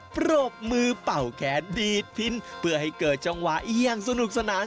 ปรบมือเป่าแขนดีดพิ้นเพื่อให้เกิดจังหวะเอี่ยงสนุกสนาน